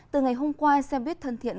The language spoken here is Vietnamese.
từ ngày hôm qua xe buýt thân thiện